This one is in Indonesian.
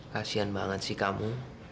kasian banget sih kamu